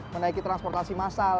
menaiki transportasi masam